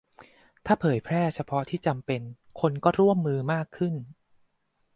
ถ้าเผยแพร่เฉพาะที่จำเป็น คนก็ร่วมมือมากขึ้น